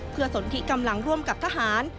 เพื่อสนทิกำลังร่วมกับทหาร